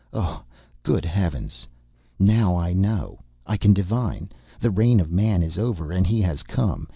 Oh! Good heavens! Now I know, I can divine. The reign of man is over, and he has come.